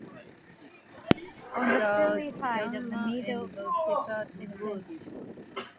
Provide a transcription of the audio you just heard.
On the Streatley side are meadows and woods.